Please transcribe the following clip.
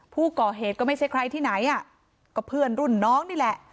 ผู้ก่อเหตุก็ไม่ใช่ใครที่ไหนอ่ะก็เพื่อนรุ่นน้องนี่แหละ